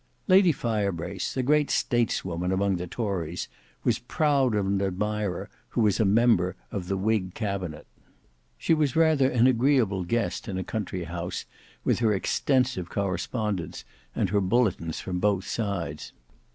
Lady Firebrace, a great stateswoman among the tories, was proud of an admirer who was a member of the whig cabinet. She was rather an agreeable guest in a country house, with her extensive correspondence, and her bulletins from both sides.